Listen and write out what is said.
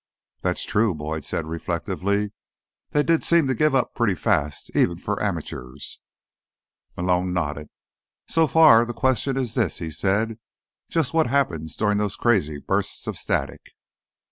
"That's true," Boyd said reflectively. "They did seem to give up pretty fast, even for amateurs." Malone nodded. "So the question is this," he said. "Just what happens during those crazy bursts of static?"